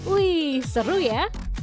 wih seru ya